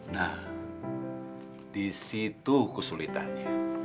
nah disitu kesulitannya